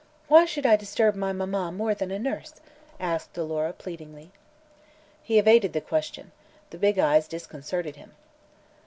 Why should I disturb my mamma more than a nurse?" asked Alora pleadingly. He evaded the question. The big eyes disconcerted him.